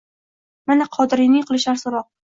Mana, Qodiriyni qilishar so’roq: